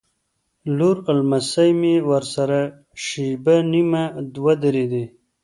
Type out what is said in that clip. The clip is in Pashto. لور او نمسۍ مې ورسره شېبه نیمه ودرېدې.